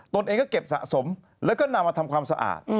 ตนเองก็เก็บสะสมแล้วก็นำมาทำความสะอาด